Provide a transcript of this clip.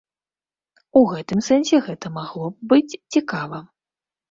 У гэтым сэнсе гэта магло б быць цікава.